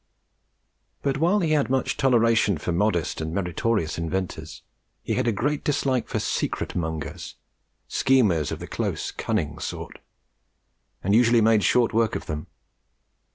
But while he had much toleration for modest and meritorious inventors, he had a great dislike for secret mongers, schemers of the close, cunning sort, and usually made short work of them.